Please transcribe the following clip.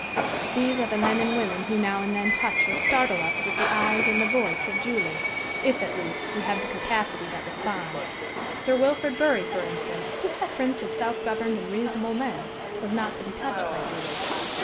these are the men and women who now and then touch or startle us with the eyes and the voice of Julie, if, at least, we have the capacity that responds. Sir Wilfrid Bury, for instance, prince of self governed and reasonable men, was not to be touched by Julie.